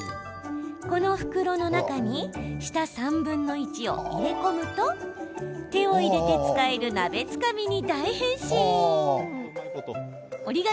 この袋の中に下３分の１を入れ込むと手を入れて使える鍋つかみに大変身。